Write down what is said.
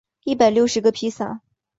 一百六十个披萨